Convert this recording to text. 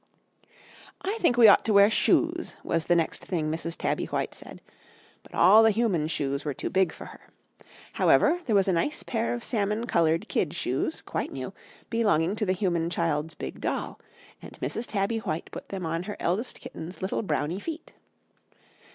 "'I think we ought to wear shoes,' was the next thing Mrs. Tabby White said; but all the human shoes were too big for her. However, there was a nice pair of salmon coloured kid shoes, quite new, belonging to the human child's big doll and Mrs. Tabby White put them on her eldest kitten's little browny feet.